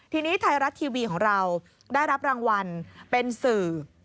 ทีนี้ไทยรัฐทีวีของเราได้รับรางวัลเป็นสื่อ